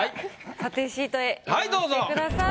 査定シートへ移動してください。